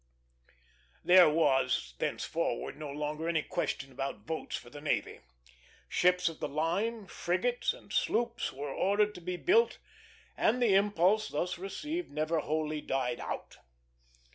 There was thenceforward no longer any question about votes for the navy. Ships of the line, frigates, and sloops, were ordered to be built, and the impulse thus received never wholly died out.